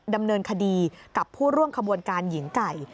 ดำเนินคดีกับผู้ร่วมขบวนการหญิงไก่